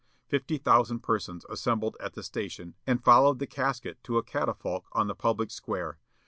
Fifty thousand persons assembled at the station, and followed the casket to a catafalque on the public square.